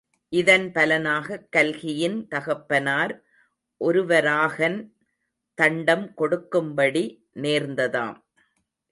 இதன் பலனாக கல்கியின் தகப்பனார் ஒருவராகன் தண்டம் கொடுக்கும்படி நேர்ந்ததாம்.